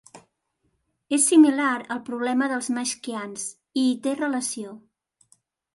És similar al problema dels meskhians i hi té relació.